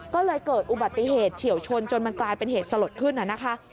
ก็เลยเกิดอุบัติเหตุเฉียวชนจนมันกลายเป็นเหตุสลดขึ้นนะคะ